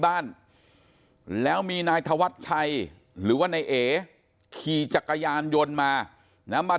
บ้านแล้วมีนายธวัชชัยหรือว่านายเอขี่จักรยานยนต์มานะมา